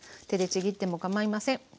手でちぎってもかまいません。